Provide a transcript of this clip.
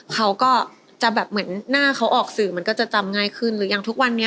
เขาก็จะแบบเหมือนหน้าเขาออกสื่อมันก็จะจำง่ายขึ้นหรืออย่างทุกวันนี้